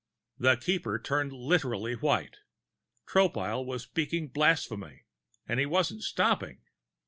The Keeper turned literally white. Tropile was speaking blasphemy and he wasn't stopping.